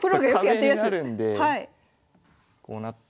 壁になるんでこうなって。